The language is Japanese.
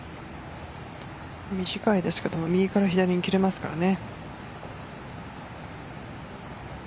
短いですけど右から左に切れますからね。